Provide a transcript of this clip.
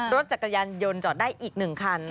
รถจักรยานยนต์จอดได้อีก๑คัน